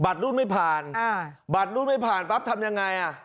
บัตรรูปไม่ผ่านอ่าบัตรรูปไม่ผ่านป๊าบทำยังไงอ่ะ